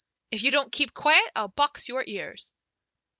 "If you don't keep quiet I'll box your ears."